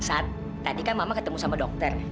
saat tadi kan mama ketemu sama dokter